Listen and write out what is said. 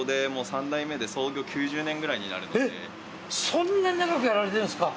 そんなに長くやられてるんですか？